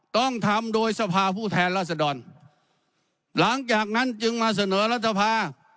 ต้องทำโดยสภาผู้แทนราษดรหลังจากนั้นจึงมาเสนอรัฐภา